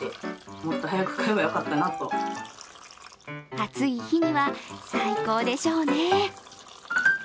暑い日には最高でしょうね。